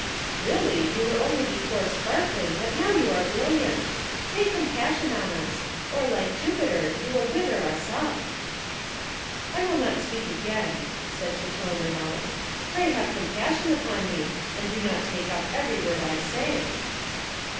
"Really, you were only before sparkling, but now you are brilliant; take compassion on us, or, like Jupiter, you will wither us up." "I will not speak again," said Château Renaud; "pray have compassion upon me, and do not take up every word I say."